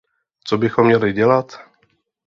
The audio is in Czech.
Co bychom měli dělat?